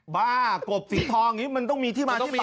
บ้ากบสีท้องมันต้องมีที่มาที่ไป